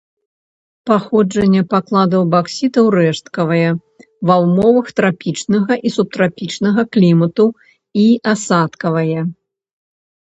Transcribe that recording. Паходжанне пакладаў баксітаў рэшткавае ва ўмовах трапічнага і субтрапічнага клімату і асадкавае.